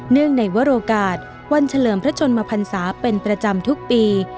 เนื่องในวรโอกาสวันเฉลิมพระชนมพันศาเป็นประจำทุกปี